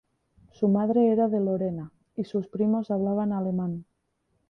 Su madre era de Lorena, y sus primos hablaban alemán.